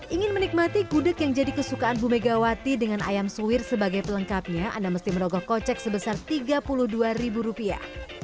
ingin menikmati gudeg yang jadi kesukaan bu megawati dengan ayam suwir sebagai pelengkapnya anda mesti merogoh kocek sebesar tiga puluh dua ribu rupiah